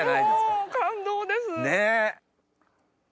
もう感動です。